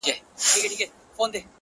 سم روان سو د خاوند د خوني خواته؛